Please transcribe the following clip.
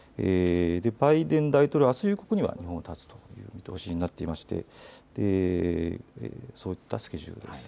バイデン大統領、あす夕刻には日本を発つという見通しになっていましてそういったスケジュールです。